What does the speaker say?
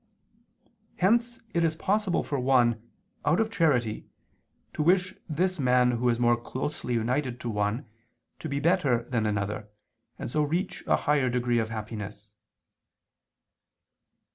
Hence it is possible for one, out of charity, to wish this man who is more closely united to one, to be better than another, and so reach a higher degree of happiness.